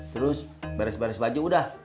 terus baris baris baju udah